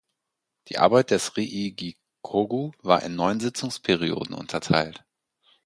Die Arbeit des Riigikogu war in neun Sitzungsperioden unterteilt.